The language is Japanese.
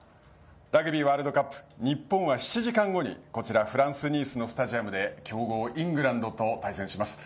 ラグビーワールドカップ日本は７時間後にこちらフランス・ニースのスタジアムで強豪イングランドと対戦します。